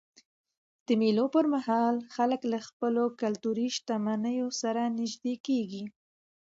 د مېلو پر مهال خلک له خپلي کلتوري شتمنۍ سره نيژدې کېږي.